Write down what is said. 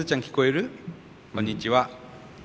こんにちは。